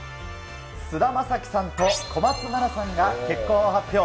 菅田将暉さんと小松菜奈さんが結婚を発表。